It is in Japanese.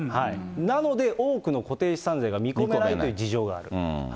なので多くの固定資産税が見込めないという事情がある。